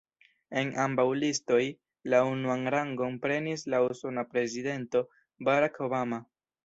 En ambaŭ listoj, la unuan rangon prenis la usona prezidento, Barack Obama.